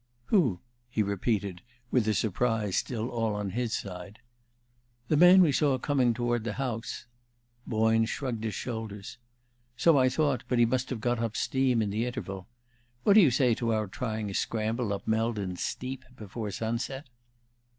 "Who?" he repeated, with the surprise still all on his side. "The man we saw coming toward the house." Boyne shrugged his shoulders. "So I thought; but he must have got up steam in the interval. What do you say to our trying a scramble up Meldon Steep before sunset?"